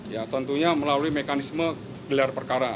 ya tentunya melalui mekanisme gelar perkara